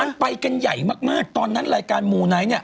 มันไปกันใหญ่มากตอนนั้นรายการมูไนท์เนี่ย